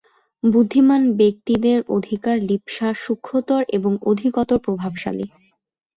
বুদ্ধিমান ব্যক্তিদের অধিকার-লিপ্সা সূক্ষ্মতর এবং অধিকতর প্রভাবশালী।